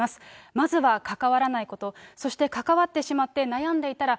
まずは関わらないこと、そして関わってしまって悩んでいたら、